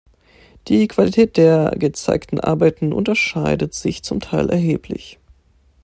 Die Qualität der gezeigten Arbeiten unterscheidet sich zum Teil erheblich.